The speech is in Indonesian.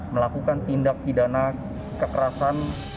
melakukan tindak pidana kekerasan